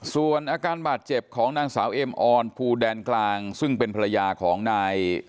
ส่วนอาการบาดเจ็บของนางสาวเอ็มออนภูแดนกลางซึ่งเป็นภรรยาของนาย